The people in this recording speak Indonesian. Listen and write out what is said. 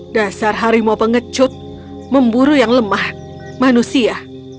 dasar harimau pengecut memburu yang lemah manusia